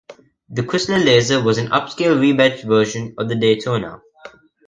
The Chrysler Laser was an upscale rebadged version of the Daytona.